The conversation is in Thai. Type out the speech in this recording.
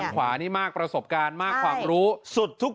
ต่างขวานี่มากประสบการณ์มากความรู้